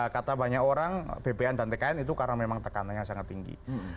kata banyak orang bpn dan tkn itu karena memang tekanannya sangat tinggi